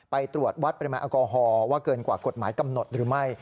ไปตรวจวัดปริมาณแอลกอฮอล์ว่าเกินกว่ากฎหมายกำหนดหรือไม่